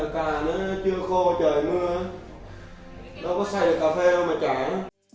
cà nó chưa khô trời mưa nó có xay được cà phê đâu mà trả nó